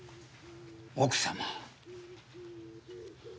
奥様。